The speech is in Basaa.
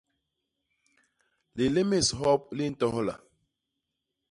Lilémés hop li ntohla.